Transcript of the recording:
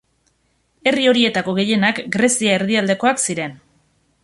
Herri horietako gehienak Grezia erdialdekoak ziren.